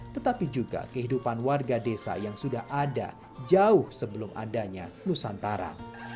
tetapi juga kehidupan warga desa yang sudah ada jauh sebelum adanya nusantara